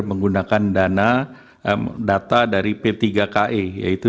menggunakan dana data dari p tiga ka yaitu